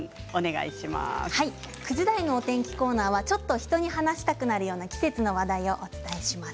９時台のお天気コーナーはちょっと人に話したくなるような季節の話題をお伝えします。